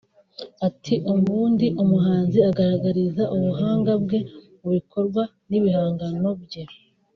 Ati “ Ubundi umuhanzi agaragariza ubuhanga bwe mu bikorwa n’ibihangano bye